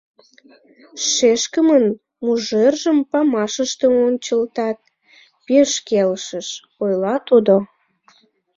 — Шешкымын мыжержым памашыште ончылтат, пеш келшыш, — ойла тудо.